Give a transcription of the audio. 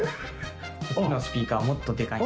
こっちのスピーカーはもっとでかい。